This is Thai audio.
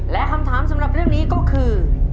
และคำถามสำหรับเรื่องนี้ก็คือ